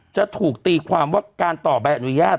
จะถูกตีความว่าการต่อใบอนุญาต